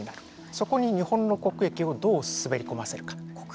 そこに日本の国益をどう滑り込ませるか。